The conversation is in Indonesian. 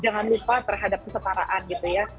jangan lupa terhadap kesetaraan gitu ya